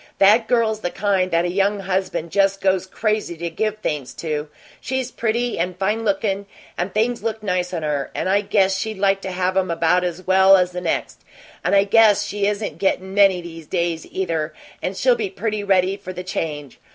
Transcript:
That girl's the kind that a young husband just goes crazy to give things to! She's pretty and fine lookin', and things look nice on her, and I guess she'd like to have 'em about as well as the next. And I guess she isn't gettin' many these days, either, and she'll be pretty ready for the change.